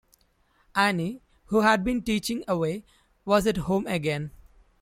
Annie, who had been teaching away, was at home again.